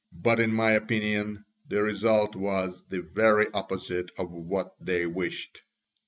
But in my opinion the result was the very opposite of what they wished.